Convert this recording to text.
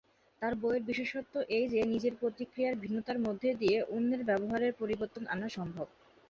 তার বইয়ের বিশেষত্ব এই যে নিজের প্রতিক্রিয়ার ভিন্নতার মধ্য দিয়ে অন্যের ব্যবহারের পরিবর্তন আনা সম্ভব।